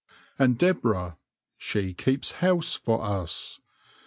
And Deborah, she keeps house for us.